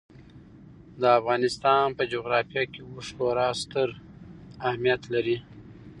د افغانستان په جغرافیه کې اوښ خورا ستر اهمیت لري.